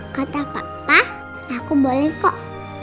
kota papa aku boleh kok